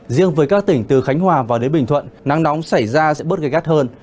riêng với các tỉnh từ khánh hòa vào đến bình thuận nắng nóng xảy ra sẽ bớt gây gắt hơn